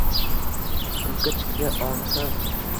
ko’kka chikdi ohi